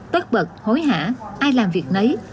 tất bật hối hả ai làm việc nấy